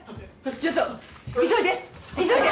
ちょっと急いで急いで。